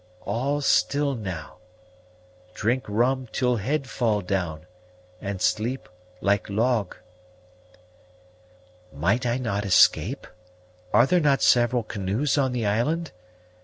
all still now drink rum till head fall down, and sleep like log." "Might I not escape? Are there not several canoes on the island?